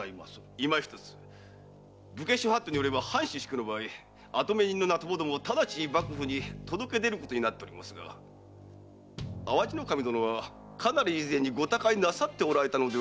今ひとつ武家諸法度によれば藩主死去の場合跡目人の名共々ただちに幕府に届け出ることになっておりますが淡路守殿はかなり以前にご他界なさっておられたのでは？